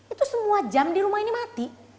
itu semua jam di rumah ini mati